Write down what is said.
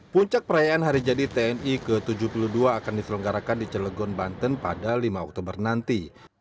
puncak perayaan hari jadi tni ke tujuh puluh dua akan diselenggarakan di celegon banten pada lima oktober nanti